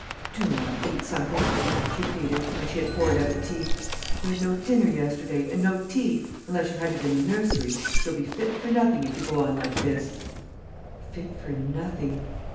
"Do, ma'am, eat something!" she pleaded, when she had poured out the tea. "You had no dinner yesterday, and no tea, unless you had it in the nursery. You'll be fit for nothing, if you go on like this." Fit for nothing!